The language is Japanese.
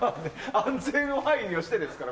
安全を配慮してですから。